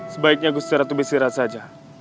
sebaiknya gusta ratu bersirat saja